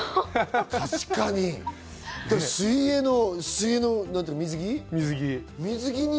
確かに、水泳の水着。